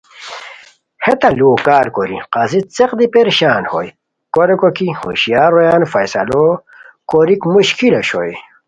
ہیتان لوؤ کار کوری قاضی څیق دی پریشان ہوئے، کو ریکو کی ہوشیار رویان فیصلو کوریک مشکل اوشوئے